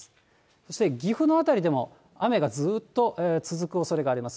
そして岐阜の辺りでも雨がずっと続くおそれがあります。